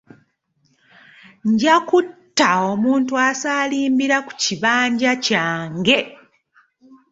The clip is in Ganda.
Nja kutta omuntu asaalimbira ku kibanja kyange.